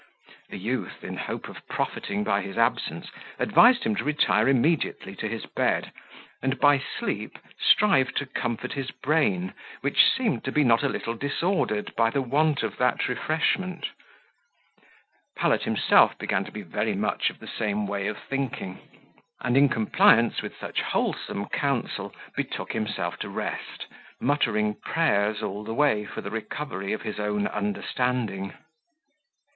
The youth, in hope of profiting by his absence, advised him to retire immediately to his bed, and by sleep strive to comfort his brain, which seemed to be not a little disordered by the want of that refreshment. Pallet himself began to be very much of the same way of thinking; and, in compliance with such wholesome counsel, betook himself to rest, muttering prayers all the way for the recovery of his own understanding.